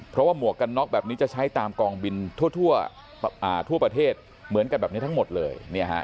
เพราะว่าหมวกกันน็อกแบบนี้จะใช้ตามกองบินทั่วประเทศเหมือนกันแบบนี้ทั้งหมดเลย